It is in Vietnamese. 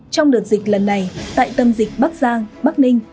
trong đợt dịch lần này tại tâm dịch bắc giang bắc ninh